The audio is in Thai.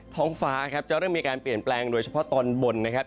ท้องฟ้าครับจะเริ่มมีการเปลี่ยนแปลงโดยเฉพาะตอนบนนะครับ